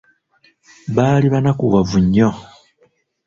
Baali bannakuwavu nnyo.